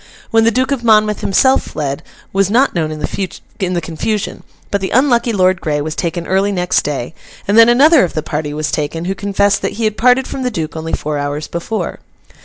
When the Duke of Monmouth himself fled, was not known in the confusion; but the unlucky Lord Grey was taken early next day, and then another of the party was taken, who confessed that he had parted from the Duke only four hours before.